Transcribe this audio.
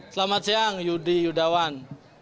selamat siang yudi yudawan